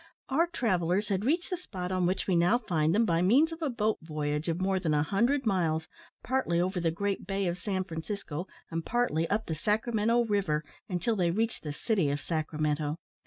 Our travellers had reached the spot on which we now find them by means of a boat voyage of more than a hundred miles, partly over the great bay of San Francisco, and partly up the Sacramento River, until they reached the city of Sacramento.